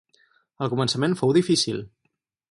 El començament fou difícil.